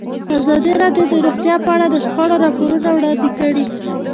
ازادي راډیو د روغتیا په اړه د شخړو راپورونه وړاندې کړي.